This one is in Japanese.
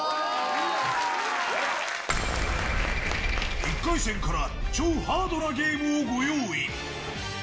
１回戦から、超ハードなゲームをご用意。